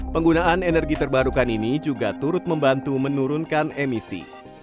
penggunaan energi terbarukan ini juga turut membantu menurunkan emisi